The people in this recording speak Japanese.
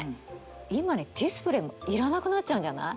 今にディスプレイもいらなくなっちゃうんじゃない？